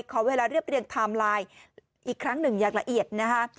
ขอเวลาเรียบเรียงไทม์ไลน์อีกครั้งหนึ่งอย่างละเอียดนะคะ